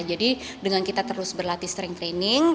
jadi dengan kita terus berlatih strength training